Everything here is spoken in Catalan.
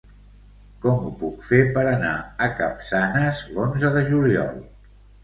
Com ho puc fer per anar a Capçanes l'onze de juliol?